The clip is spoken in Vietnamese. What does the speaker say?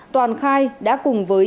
toàn khai đã cùng với